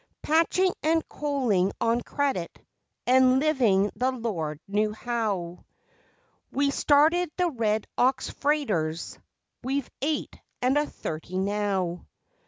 Patching and coaling on credit, and living the Lord knew how, We started the Red Ox freighters we've eight and thirty now.